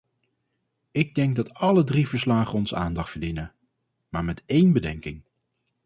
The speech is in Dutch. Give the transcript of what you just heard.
Ik denk dat alle drie verslagen onze aandacht verdienen, maar met één bedenking.